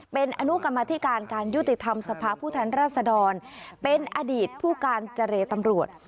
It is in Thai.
เป็นอนุกรรมธิการการยุติธรรมสภาพผู้แทนราชดรเป็นอดีตผู้การเจรตำรวจ